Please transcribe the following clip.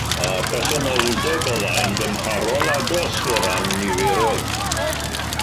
Mae presenoldeb y ddau'n gymharol agos o ran niferoedd.